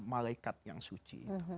malaikat yang suci